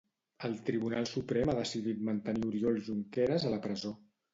El Tribunal Suprem ha decidit mantenir Oriol Junqueras a la presó.